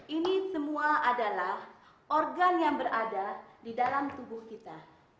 ini semua adalah organ yang berada di dalam tubuh kita